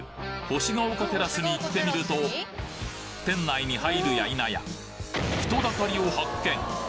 星が丘テラスに行ってみると店内に入るや否や人だかりを発見！